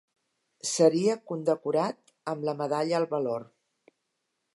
Seria condecorat amb la Medalla al Valor.